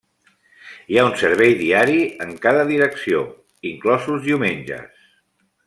Hi ha un servei diari en cada direcció, inclosos diumenges.